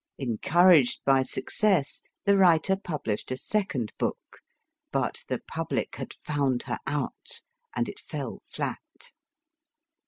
En couraged by success, the writer published a second book, but the public had found her out, and it fell flat.